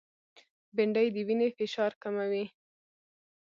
بېنډۍ د وینې فشار کموي